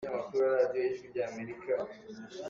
Hlei hi an fek lo caah i ralring.